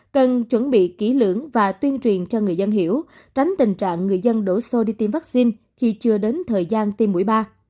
cần chuẩn bị kỹ lưỡng và tuyên truyền cho người dân hiểu tránh tình trạng người dân đổ xô đi tiêm vaccine khi chưa đến thời gian tiêm mũi ba